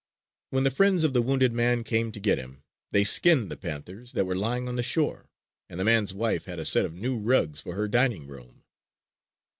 When the friends of the wounded man came to get him, they skinned the panthers that were lying on the shore; and the man's wife had a set of new rugs for her dining room.